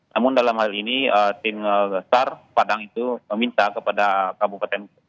namun dalam hal ini tim besar padang itu meminta kepada kabupaten